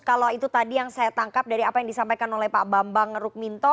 kalau itu tadi yang saya tangkap dari apa yang disampaikan oleh pak bambang rukminto